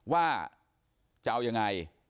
ว่าจะเอายังไง